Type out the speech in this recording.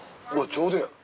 ちょうどや。